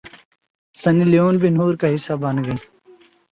سنی Leone بھی نور کا حصہ بن گئیں